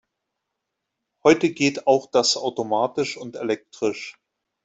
Heute geht auch das automatisch und elektrisch.